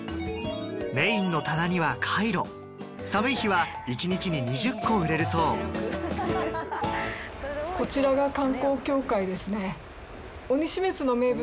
メインの棚にはカイロ寒い日は１日に２０個売れるそうこちらが観光協会ですね。